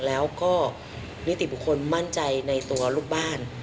แล้วก็นิติบุคคลมั่นใจในตัวลูกบ้าน